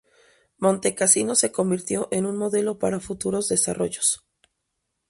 Montecassino se convirtió en un modelo para futuros desarrollos.